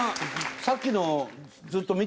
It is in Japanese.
さっきのずっと見てました？